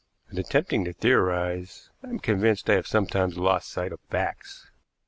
In attempting to theorize I am convinced I have sometimes lost sight of facts.